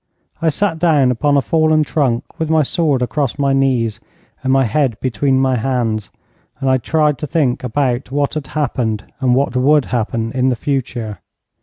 I sat down upon a fallen trunk with my sword across my knees and my head between my hands, and I tried to think about what had happened and what would happen in the future.